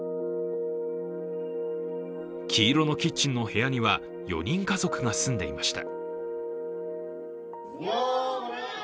黄色のキッチンの部屋には４人家族が住んでいました。